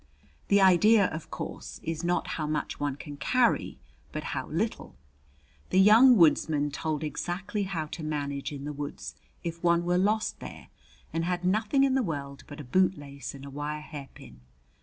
The idea, of course, is not how much one can carry, but how little. The "Young Woodsman" told exactly how to manage in the woods if one were lost there and had nothing in the world but a bootlace and a wire hairpin.